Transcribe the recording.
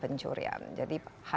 perkeong maksud saya